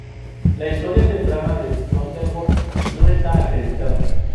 La historia temprana de Sønderborg no está acreditada.